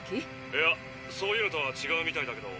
「いやそういうのとはちがうみたいだけど」。